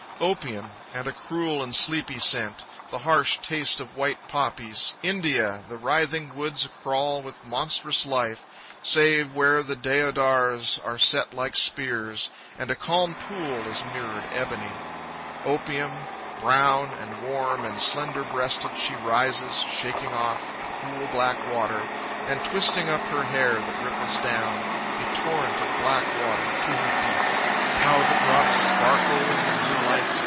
Opium and a cruel and sleepy scent, The harsh taste of white poppies; India The writhing woods a crawl with monstrous life, Save where the deodars are set like spears, And a calm pool is mirrored ebony; Opium brown and warm and slender breasted She rises, shaking off the cool black water, And twisting up her hair, that ripples down, A torrent of black water, to her feet; How the drops sparkle in the moonlight!